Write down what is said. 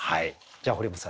じゃあ堀本さん